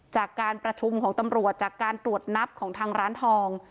จากการประชุมของตำรวจจากการตรวจนับของทางร้านทอง